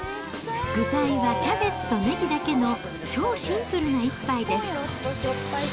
具材はキャベツとネギだけの超シンプルな一杯です。